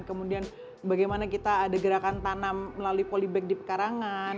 kemudian bagaimana kita ada gerakan tanam melalui polybag di pekarangan